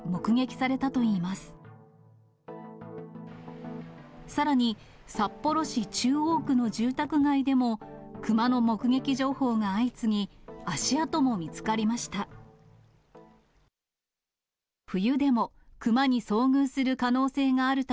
さらに札幌市中央区の住宅街でも、熊の目撃情報が相次ぎ、足跡も見つかりました。